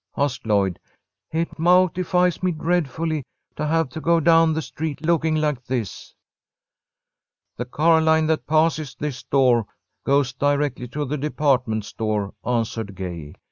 asked Lloyd. "It mawtifies me dreadfully to have to go down the street looking like this." "The car line that passes this door goes directly to the department store," answered Gay.